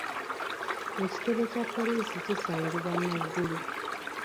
Ekitebe kya poliisi kisangibwa Naguru.